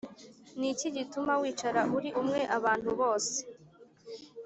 Ni iki gituma wicara uri umwe abantu bose‽